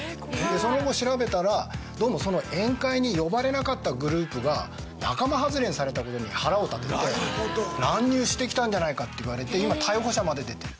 その後調べたらその宴会に呼ばれなかったグループが仲間外れにされたことに腹を立てて乱入してきたんじゃないかっていわれて今逮捕者まで出てると。